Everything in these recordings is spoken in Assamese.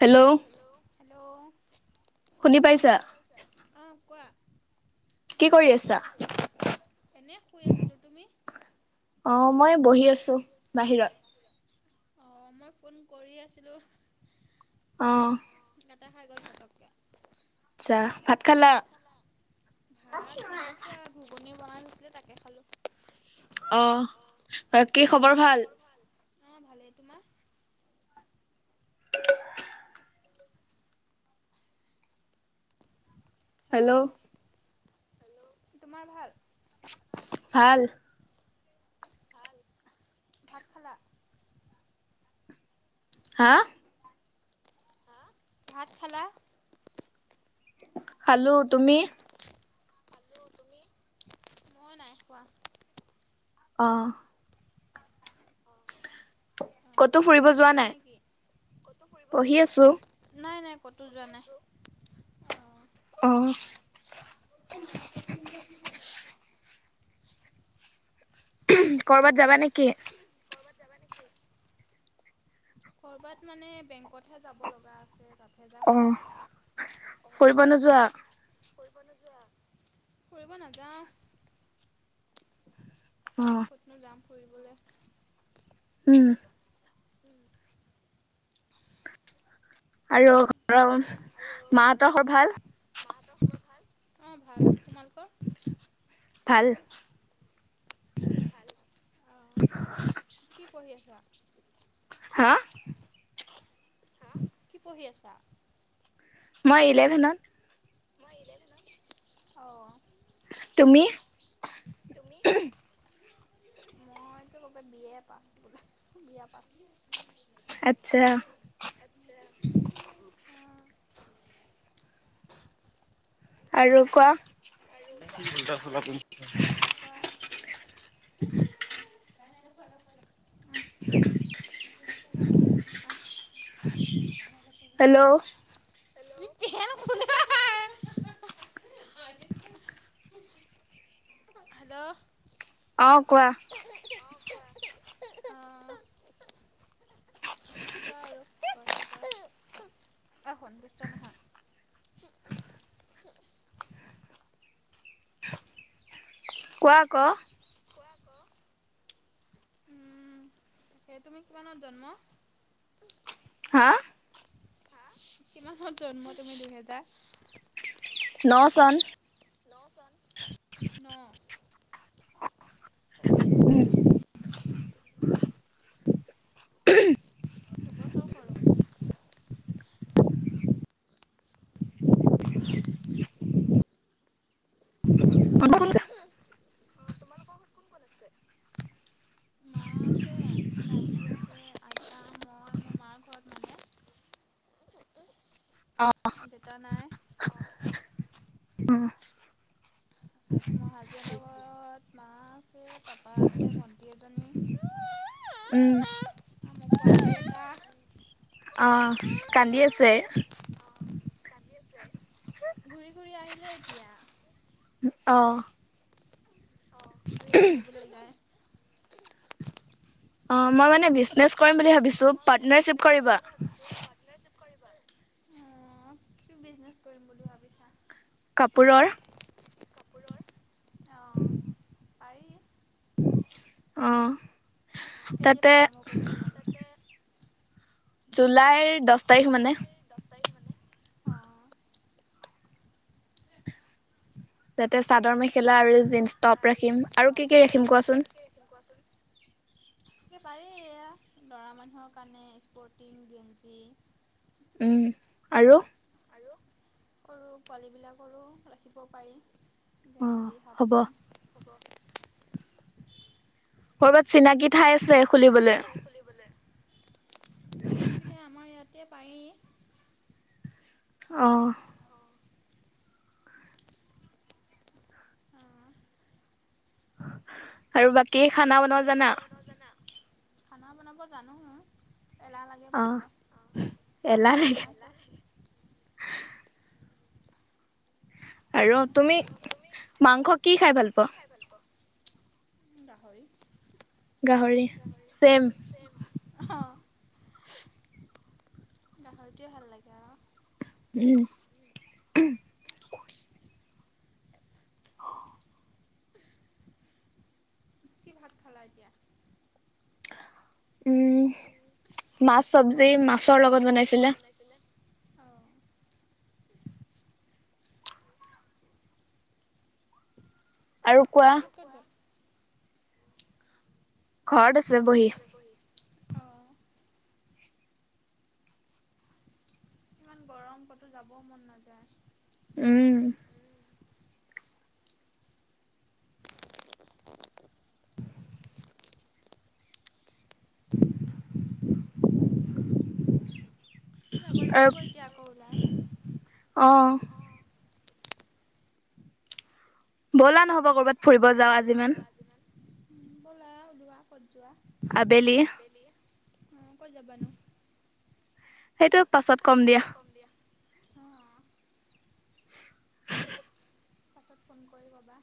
হেল্ল'। হেল্ল, হেল্ল' শুনি পাইছা অ কোৱা। কি কৰি আছা? এনে শুই আছিলোঁ তুমি? অ মই। মই বহি আছোঁ। অ মই ফোন কৰি আছিলোঁ। অ কাটা খাই গ'ল পটককে। আচ্ছা ভাত খালা? ভাত নাই খোৱা ঘুগুনি বনাই থৈছিলোঁ তাকে খালোঁ। অ বাকী খবৰ ভাল? অ ভালেই, তোমাৰ? হেল্ল', হেল্ল তোমাৰ ভাল। ভাল। ভাল, ভাত খালা? হা? হা ভাত খালা। খালোঁ, তুমি? তুমি, মই নাই খোৱা। অহ। অ পঢ়ি আছা নেকি? ক'তো ফুৰিব যোৱা নাই? নাই, নাই ক'তো যোৱা নাই অ। অঁ অ উমহ্, কৰ'বাত যাবা নেকি? উমহ্, ক'ৰবাত যাবা নেকি? ক'ৰবাত মানে, বেংকতহে যাব লগা আছে। তাত্ অহ্, ফুৰিব নোযোৱা? ফুৰিব নাযোৱা? ফুৰিব নাযাওঁ। অঁ। ক'তনো যাম ফুৰিবলে? উম। উম। আৰু ঘৰৰ মাহঁতৰ ঘৰত ভাল? মাহঁতৰ খবৰ ভাল? অঁ, ভাল তোমালোকৰ? ভাল। ভাল? অঁ, কি পঢ়ি আছা? হাঁ? কি পঢ়ি আছা? মই ইলেভেনত। মই ইলেভেনত, অঁ। তুমি? তুমি? মইতো একেবাৰে বি এ পাছ বোলে, বিয়া পাছ। আচ্ছা। আচ্ছা, অঁ। আৰু কোৱা? আহ, আহ। হেল্ল! হেল্ল! অঁ, কোৱা? অঁ। কোৱা আৰু ওখৰ চাপৰ। অ, সোণ দুষ্ট নহয়। কোৱা আক'। কোৱা আক'। সেই তুমি কিমানত জন্ম? হাঁ। হাঁ? কিমান চনত জন্ম তুমি? দুহেজাৰ ন' চন। ন ' চন। ন। সৰু হয় ন' অলপ। দুবছৰ সৰু। অনকন্দ তোমালোকৰ ঘৰত কোন কোন আছে? মা আছে, ভাইটি আছে। আইতা, মই মোৰ মা ঘৰত মানে। দেউতা নাই? অঁ। উম। তাত মোৰ হাজবেণ্ডৰ ঘৰত মা আছে, পাপা আছে, ভণ্টি এজনী আমি পোৱালি একা। অ', কান্দি আছে। ঘূৰি, ঘুৰি আহিলে এতিয়া। অ'। অ', ঘূৰি ফুৰিবলৈ যায়। অ', মই মানে বিজনেচ কৰিম বুলি ভাবিছোঁ। পাৰ্টনাৰশ্বিপ কৰিম বুলি ভাবিছোঁ। পাৰ্টনাৰশ্বিপ কৰিবা, উম, কি বিজনেছ কৰিম বুলি ভাবিছা? কাপোৰৰ। কাপোৰৰ অ', পাৰি। অ'। কেতিয়াপা আৰম্ভ কৰিম বুলি ভাবিছা তাতে জুলাইৰ দহ জুলাইৰ দহ তাৰিখ মানে অ'। তাতে চাদৰ মেখা ততে চাদৰ মেখেলা আৰু জীনছ টপ ৰাখিম আৰু কি, কি ৰাখিম কোৱাচোন। একেবাৰেেই ল'ৰা মানুহৰ কাৰণে স্পৰ্টিং গেঞ্জী উম, আৰু আৰু সৰু পোৱালিবিলাকৰো ৰাখিব পাৰি। ভেঞ্জী, হাফ পেন্ট পটৰ কৰ'বাত চিনাকি ঠাই আছে খুলিবলৈ। খুলিবৈলে। তেনেকৈতে আমাৰ ইয়াতে পায়েই। অ'। অ'। আৰু বাকী খানা বনোৱা জানা। খানা বনাব জানো। এলাহ লাগে বনাব অ', শাহু মাই বনাইছে। আৰু তুমি মাংস কি খাই ভাল পোৱা? ভাল পাওঁ। গাহৰি, গাহৰি চেম। অ', গাহৰিটে ভাল লাগে আৰু। উম। কি ভাত খালা এতিয়া? উম, মাছ চব্জি মাছৰ লগত বনাইছিলে। বনাইছিলে। অ'। তোমালোকে কোৱা। ঘৰত আছো বহি। অ'। ইমান গৰম ক'তো যাব মন নাযায়। উম। [unintelligible] যাব লাগিব এতিয়া আকৌ ওলাই। অ ব'লা নহ'বা কৰবাত ফুৰিব যাও আজি মান। [inaudible] উম ব'লা ওলোৱা ক'ত যোৱা, আবেলি উম কত যাবানো? সেইটো পাছত কম দিয়া। কম দিয়া। অঁ অঁ পাছত ফোন কৰি ৰ'বা।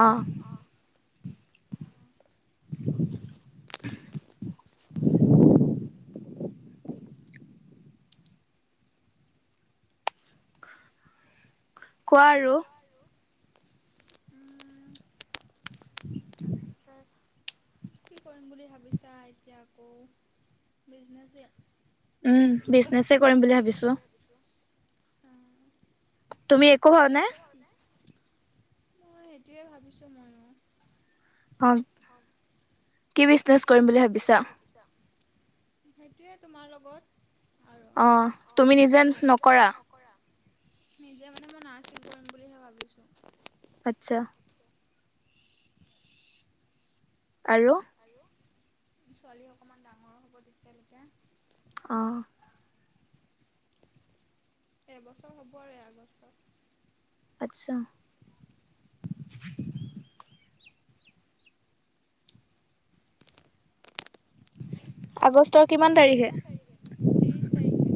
অ অঁ কোৱা আৰু [unintelligible] কি কৰিম বুলি ভাবিছা এতিয়া আকৌ বিজনেচ এ? উম বিজনেছে কৰিম বুলি ভাবিছো। উম, তুমি একো কৰা নাই? মই সেইটোৱে ভাবিছোঁ মইও। অ কি বিজনেছ? কি বিজনেছ কৰিম বুলি ভাবিছা? সেইটোৱে তোমাৰ লগত আৰু অ ধৰা তুমি নিজে নকৰা? নিজে মানে মই নাৰ্চিং কৰিম বুলিহে ভাবিছো। আচ্ছা। আৰু? আৰু ছোৱালী অকণমান ডাঙৰো হ'ব তেতিয়ালৈকে। অঁ এবছৰ হ'ব আৰু আগষ্টত। আচ্ছা। আগষ্টৰ কিমান? আগষ্টৰ কিমান তাৰিখে? ত্ৰিশ তাৰিখে।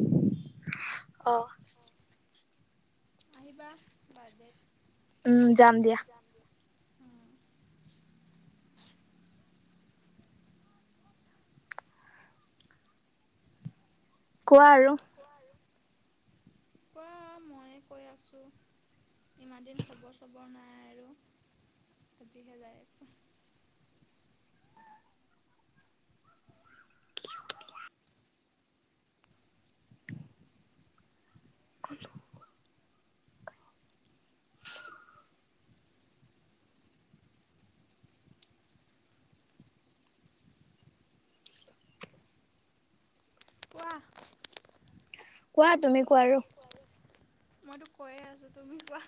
অ আহিবা বাৰডেত। উম যাম দিয়া। যাম দিয়া। কোৱা আৰু কোৱা আৰু কোৱা মইয়ে কৈ আছোঁ। ইমান দিন খবৰ চবৰ নাই আৰু আজিহে যায় [inaudible] কোৱা কোৱা তুমি কোৱা আৰু। মইতো কৈয়ে আছোঁ তুমি কোৱা?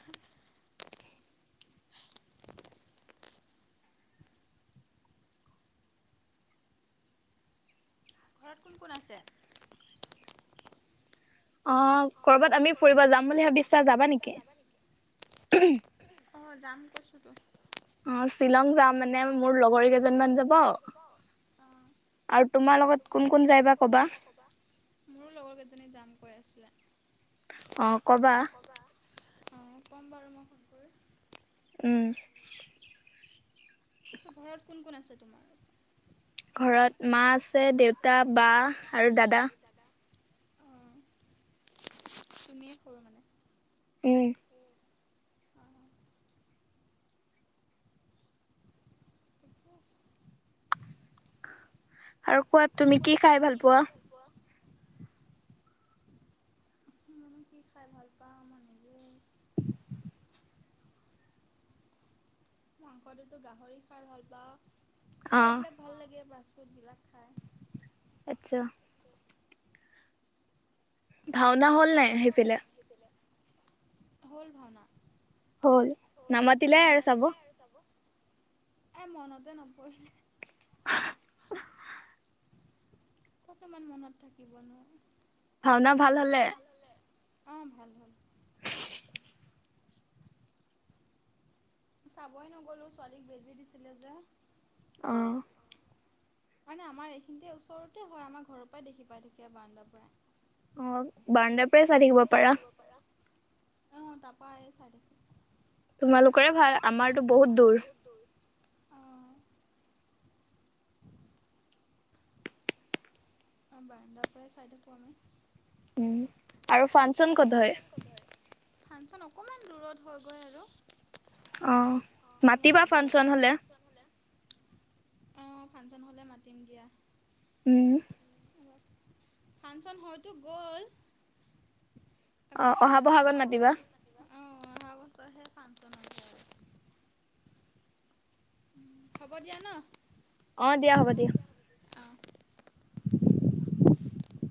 ঘৰত কোন কোন আছে? অ কৰবাত আমি ফুৰিব যাম বুলি ভাবিছা যাবা নেকি? অঁ যাম কছোঁতো। অঁ', শ্বিলং যাম যেন মানে মোৰ লগৰ কেইজনীমান যাব। আৰু তোমাৰ লগত কোন-কোন যায় বা ক'বা? মোৰ লগৰ কেইজনী যাম কৈ আছিলে। অঁ', অঁ', কবা। - ক'বা? অঁ', - ক'ম বাৰু মই ফোন কৰি। উমঁ। ঘৰত কোন-কোন আছে তোমাৰ? ঘৰত মাঁ আছে, দেউতা, বা আৰু দাদা। অহ', তুমিয়ে সৰু মানে। উমঁ। ঠিকে আছে। আৰু কোৱো তুমি কি খাই ভাল পোৱা? মই কি খাই ভাল পাওঁ মই নিজেও- মাংসটোতো গাহৰি খাই ভাল পাওঁ আৰু এইবিলাক ভাল লাগে ফাষ্ট ফুট বিলাক খাই। আচ্ছা। ভাওনা হ'ল নাই সেইফালে? হ'ল ভাওনা। হ'ল, নামাতিলে আৰু চাব। আৰু চাব। এ' মনতে নপৰিল। ক'ত ইমান মনত থাকিব নো। ভাওনা ভাল হ'লে? অঁ', -ভাল হ'ল। চাবই নগলোঁ ছোৱালীক বেজি দিছিলে যে। অহ। হয় ন' আমাৰ এইখিনতে ওচৰতে হয় আমাৰ ঘৰৰ পৰাই দেখি পায় ধেকীয়া বাৰেনণ্ডাৰ পৰা। অহ', -বাৰানণ্ডাপৰা চাই থাকিব পাৰা। অঁহ', -তাৰ পৰা এই চাই থাকে। তোমালোকৰে ভাল আমাৰতো বহুত দূৰ। দূৰ। অঁ', - বাৰানণ্ডাৰ পৰাই চাই থাকো আমি। উমঁ, আৰু ফান- আৰু ফানঞ্চন ক'ত হয়? ফানঞ্চন অকণমান দূৰত হয় গৈ আৰু। অঁহ', মাতিবা ফানঞ্চন হ'লে? ফানঞ্চন হ'লে? অঁ', - ফানঞ্চন হ'লে মাতিম দিয়া। উমঁ। ফানঞ্চন হয়তো গ'ল। অহ', -অহা বহাগত মাতিবা। উমঁ, অহা বছৰ'হে ফানঞ্চন হ'ব। হ'ব দিয়া ন। অঁ', -দিয়া হ'ব দিয়া। অঁহ। [unintelligible]